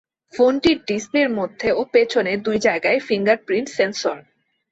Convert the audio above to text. ফোনটির ডিসপ্লের মধ্যে ও পেছনে দুই জায়গায় ফিঙ্গারপ্রিন্ট সেন্সর।